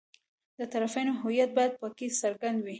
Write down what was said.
د طرفینو هویت باید په کې څرګند وي.